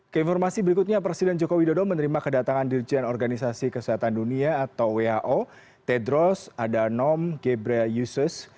keinformasi berikutnya presiden joko widodo menerima kedatangan dirjen organisasi kesehatan dunia atau who tedros adanom ghebrea yusus